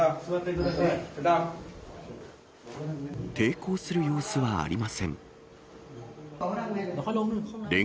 抵抗する様子はありません。